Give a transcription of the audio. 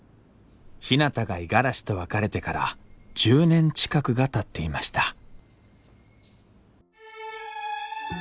ひなたが五十嵐と別れてから１０年近くがたっていました